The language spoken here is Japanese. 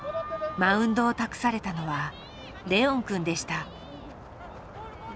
マウンドを託されたのはレオンくんでした。